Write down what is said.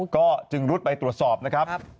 ก็จึงรุดไปตรวจสอบนะครับ